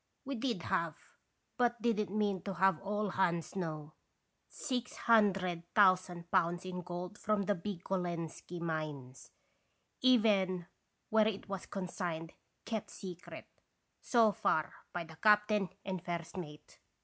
We did have, but did n't mean to have all hands know, six hundred thousand pounds in gold from the big Golenski mines, even where it was consigned kept secret, so far, by the captain and first mate.